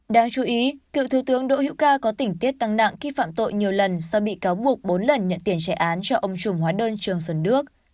đáng chú ý cựu thủ tướng đỗ hữu ca có tỉnh tiết tăng nặng khi phạm tội nhiều lần do bị cáo buộc bốn lần nhận tiền trẻ án cho ông trùng hóa đơn trương xuân đức